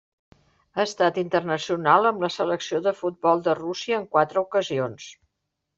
Ha estat internacional amb la Selecció de futbol de Rússia en quatre ocasions.